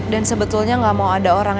dan sebetulnya gak mau ada orang